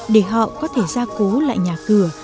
để họ có thể ra cố lại nhà cửa